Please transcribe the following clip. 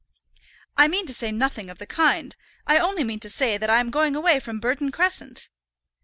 "I mean to say nothing of the kind. I only mean to say that I am going away from Burton Crescent."